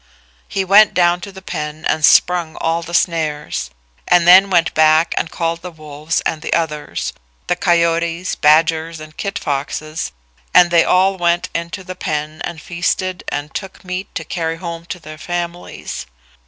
He went down to the pen and sprung all the snares, and then went back and called the wolves and the others the coyotes, badgers, and kit foxes and they all went into the pen and feasted and took meat to carry home to their families.